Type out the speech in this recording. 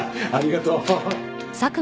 ありがとう。